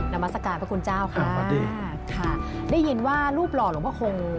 มัศกาลพระคุณเจ้าค่ะค่ะได้ยินว่ารูปหล่อหลวงพระคง